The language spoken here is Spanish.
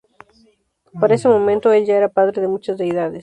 Para ese momento el ya era padre de muchas deidades.